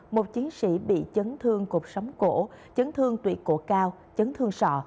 một chiến sĩ bị chấn thương cột sóng cổ chấn thương tuyệt cổ cao chấn thương sọ